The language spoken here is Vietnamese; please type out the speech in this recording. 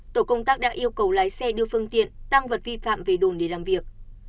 tổ công tác đã yêu cầu lái xe đưa phương tiện tăng vật vi phạm về đồn để làm việc